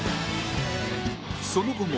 その後も